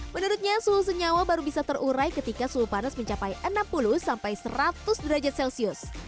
menurutnya suhu senyawa baru bisa terurai ketika suhu panas mencapai enam puluh sampai seratus derajat celcius